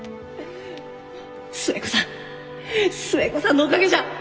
寿恵子さん寿恵子さんのおかげじゃ！